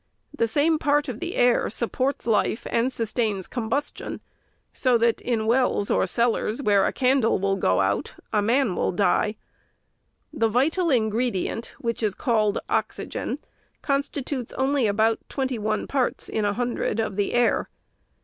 The same part of the air supports life and sustains com bustion ; so that in wells or cellars, where a candle will go out, a man will die. The vital ingredient, which is called oxygen, constitutes only about twenty one parts in a hundred of the air.